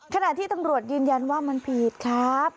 ขณะที่ตำรวจยืนยันว่ามันผิดครับ